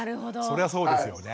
そりゃそうですよね。